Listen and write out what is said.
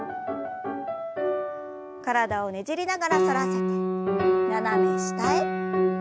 体をねじりながら反らせて斜め下へ。